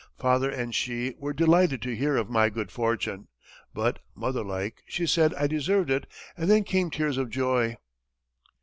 Father and she were delighted to hear of my good fortune, but, motherlike, she said I deserved it, and then came tears of joy."